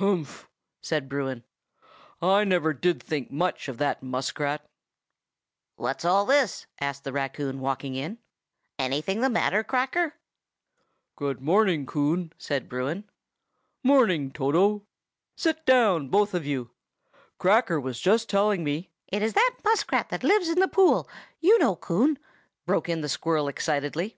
"Humph!" said Bruin, "I never did think much of that muskrat." "What's all this?" asked the raccoon, walking in. "Anything the matter, Cracker?" "Bruin playing backgammon with his friend Cracker." "Good morning, Coon!" said Bruin. "Morning, Toto! Sit down, both of you. Cracker was just telling me—" "It is that muskrat that lives in the pool, you know, Coon!" broke in the squirrel excitedly.